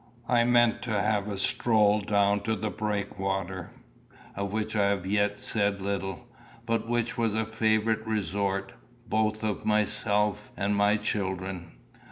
I meant to have a stroll down to the breakwater, of which I have yet said little, but which was a favourite resort, both of myself and my children.